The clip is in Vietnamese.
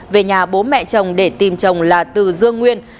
về nhà bố mẹ chồng để tìm chồng là từ dương nguyên